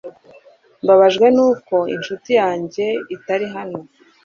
Mbabajwe nuko inshuti yanjye itari hano .